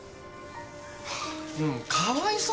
もうかわいそうじゃん